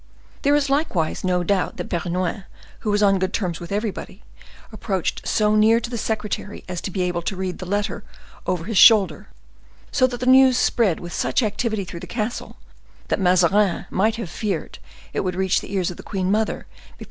There is likewise no doubt that Bernouin, who was on good terms with everybody, approached so near to the secretary as to be able to read the letter over his shoulder; so that the news spread with such activity through the castle, that Mazarin might have feared it would reach the ears of the queen mother before M.